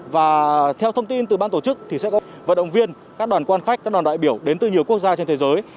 và theo thông tin từ ban tổ chức thì sẽ có vận động viên các đoàn quan khách các đoàn đại biểu đến từ nhiều quốc gia trên thế giới